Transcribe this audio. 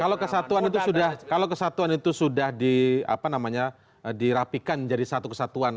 kalau kesatuan itu sudah kalau kesatuan itu sudah di rapikan jadi satu kesatuan